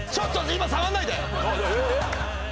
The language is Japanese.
今触んないで。